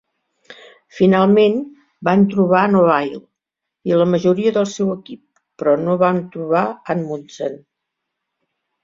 Finalment van trobar Nobile i la majoria del seu equip, però no van trobar Amundsen.